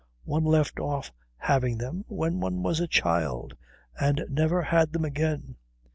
One left off having them when one was a child and never had them again.